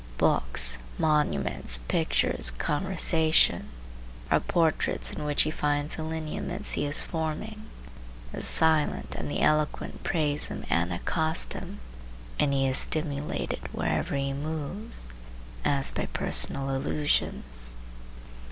Books, monuments, pictures, conversation, are portraits in which he finds the lineaments he is forming. The silent and the eloquent praise him and accost him, and he is stimulated wherever he moves, as by personal allusions.